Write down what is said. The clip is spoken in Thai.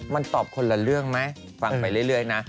มันตอบคนละเรื่องไหมฟังไปเรื่อยนะ